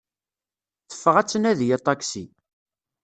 Teffeɣ ad d-tnadi aṭaksi.